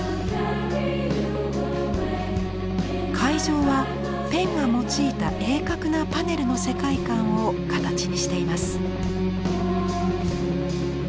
会場はペンが用いた鋭角なパネルの世界観を形にしています。